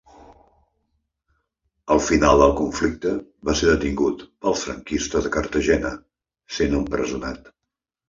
Al final del conflicte va ser detingut pels franquistes a Cartagena, sent empresonat.